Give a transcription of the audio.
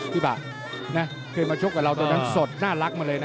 บะเคยมาชกกับเราตอนนั้นสดน่ารักมาเลยนะ